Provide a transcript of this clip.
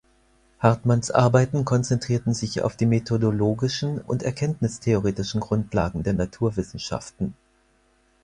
Hartmanns Arbeiten konzentrierten sich auf die methodologischen und erkenntnistheoretischen Grundlagen der Naturwissenschaften.